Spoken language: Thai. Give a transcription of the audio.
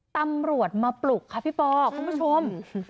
ตำรวจมาปลุกค่ะพี่ปอคุณผู้ชม